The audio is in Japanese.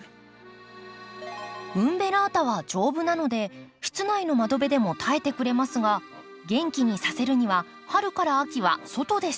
ウンベラータは丈夫なので室内の窓辺でも耐えてくれますが元気にさせるには春から秋は外で育てます。